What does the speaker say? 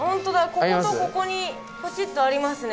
こことここにポチっとありますね。